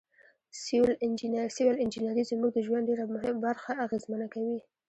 سیول انجنیری زموږ د ژوند ډیره برخه اغیزمنه کوي.